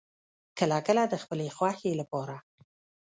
کله کله د خپلې خوښې لپاره